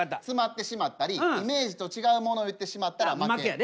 詰まってしまったりイメージと違うものを言ってしまったら負け。